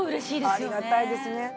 ありがたいですね。